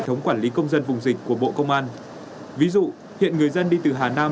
hệ thống quản lý công dân vùng dịch của bộ công an ví dụ hiện người dân đi từ hà nam